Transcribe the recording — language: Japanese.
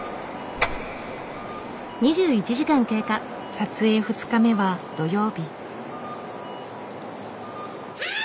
撮影２日目は土曜日。